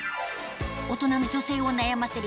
大人の女性を悩ませる